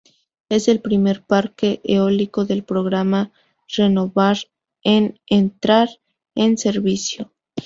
Es el primer parque eólico del programa RenovAr en entrar en servicio.